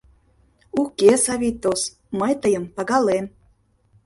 Уке, Савий тос, мый тыйым пагалем.